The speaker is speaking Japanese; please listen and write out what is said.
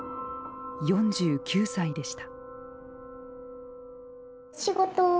４９歳でした。